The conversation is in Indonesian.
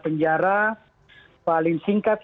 penjara paling singkat